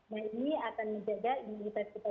nah ini akan menjaga imunitas kita